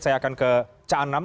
saya akan ke caanam